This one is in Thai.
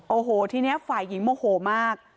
โอ้โหทีนี้ฝ่ายหญิงโมโหมาก